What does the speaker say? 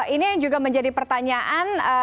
ini juga menjadi pertanyaan